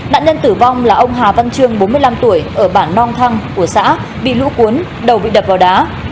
nạn nhân tử vong là ông hà văn trương bốn mươi năm tuổi ở bản nong thăng của xã bị lũ cuốn đầu bị đập vào đá